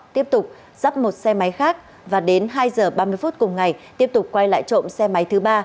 tiếp tục dắt một xe máy khác và đến hai h ba mươi phút cùng ngày tiếp tục quay lại trộm xe máy thứ ba